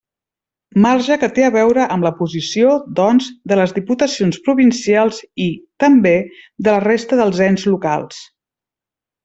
Marge que té a veure amb la posició, doncs, de les diputacions provincials i, també, de la resta dels ens locals.